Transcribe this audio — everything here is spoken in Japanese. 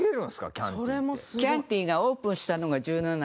キャンティがオープンしたのが１７の時なの。